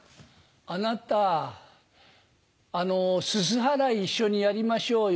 あなた、あのすす払い、一緒にやりましょうよ。